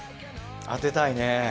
当てたいね。